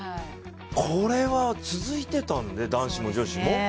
これは続いてたんで男子も女子も。